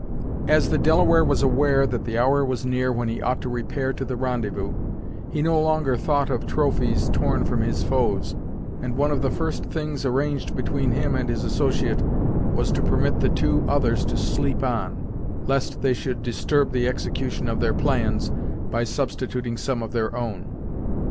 As the Delaware was aware that the hour was near when he ought to repair to the rendezvous, he no longer thought of trophies torn from his foes, and one of the first things arranged between him and his associate was to permit the two others to sleep on, lest they should disturb the execution of their plans by substituting some of their own.